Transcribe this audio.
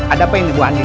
ada apa yang dibuat andin